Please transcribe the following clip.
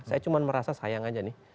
saya cuma merasa sayang aja nih